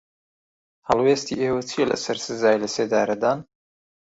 هەڵوێستی ئێوە چییە لەسەر سزای لەسێدارەدان؟